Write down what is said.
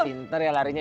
udah pinter ya larinya